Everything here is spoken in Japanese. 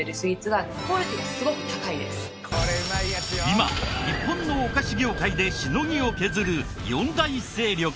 今日本のお菓子業界でしのぎを削る四大勢力。